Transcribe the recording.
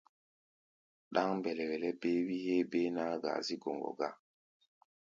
Ɗáŋ mbɛlɛ-wɛlɛ béé-wí héé béé naá-gaazígɔŋgɔ gá.